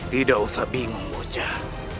tidak usah bingung bocah